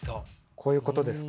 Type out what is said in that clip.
こういうことですか？